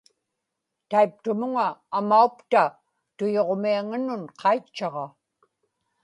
taiptumuŋa amaupta tuyuġmiaŋanun qaitchaġa